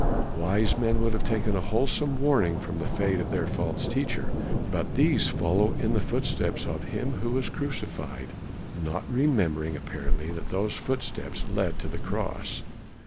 Wise men would have taken a wholesome warning from the fate of their false teacher, but these follow in the footsteps of him who was crucified, not remembering apparently that those footsteps led to the cross.